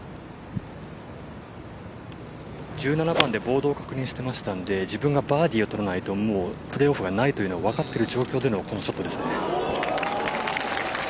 １７番でボードを確認してましたんで自分がバーディーを取らないともうプレーオフがないとわかってる状況でのこのショットですね。